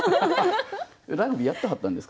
ラグビーやってはったんですかね？